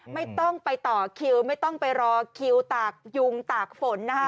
ไม่ต้องไปต่อคิวไม่ต้องไปรอคิวตากยุงตากฝนนะคะ